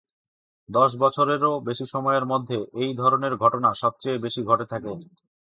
দশ বছরেরও বেশি সময়ের মধ্যে এই ধরনের ঘটনা সবচেয়ে বেশি ঘটে থাকে।